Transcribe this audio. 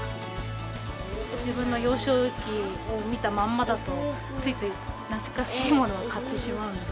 自分の幼少期に見たまんまだと、ついつい懐かしいものは買ってしまうので。